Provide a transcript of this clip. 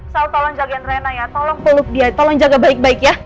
sal tolong jagain rina ya tolong peluk dia tolong jaga baik baik ya